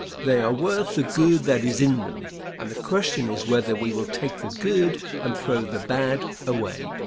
They are worth the good that is in them, and the question is whether we will take the good and throw the bad away.